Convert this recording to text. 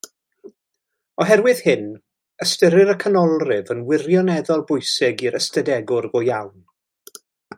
Oherwydd hyn, ystyrir y canolrif yn wirioneddol bwysig i'r ystadegwr go iawn.